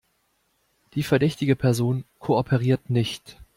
Die verdächtige Person kooperiert nicht.